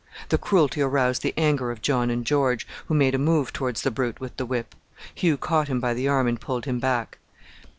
The cruelty aroused the anger of John and George, who made a move towards the brute with the whip. Hugh caught him by the arm and pulled him back.